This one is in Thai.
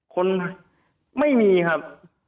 คนไม่มีครับ